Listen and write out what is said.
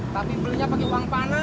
tapi belinya pake uang panas